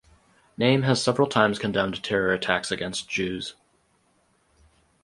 Naim has several times condemned terror attacks against Jews.